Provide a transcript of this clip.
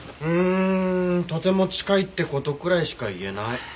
うーんとても近いって事くらいしか言えない。